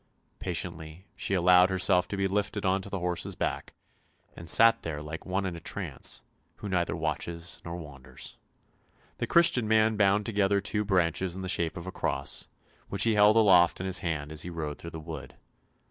Patiently she allowed herself to be lifted on to THE MARSH KING'S DAUGHTER 293 the horse's back, and sat there like one in a trance, who neither watches nor wanders. The Christian man bound together two branches in the shape of a cross, which he held aloft in his hand as he rode through the wood.